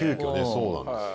そうなんです。